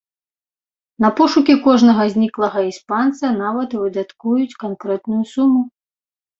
На пошукі кожнага зніклага іспанца нават выдаткуюць канкрэтную суму.